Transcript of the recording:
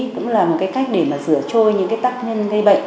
cũng là một cái cách để mà rửa trôi những cái tác nhân gây bệnh